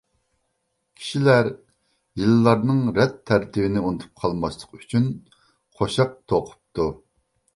كىشىلەر يىللارنىڭ رەت تەرتىپىنى ئۇنتۇپ قالماسلىق ئۈچۈن قوشاق توقۇپتۇ.